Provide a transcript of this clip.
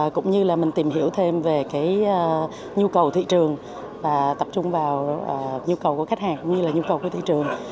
cũng như là mình tìm hiểu thêm về cái nhu cầu thị trường và tập trung vào nhu cầu của khách hàng cũng như là nhu cầu của thị trường